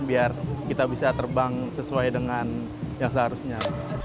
biar kita bisa terbang sesuai dengan yang seharusnya